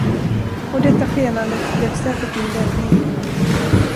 Och detta skenandet blev säkert min räddning.